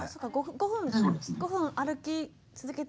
５分歩き続けて。